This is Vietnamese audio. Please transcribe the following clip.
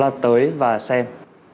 đó là tới và xem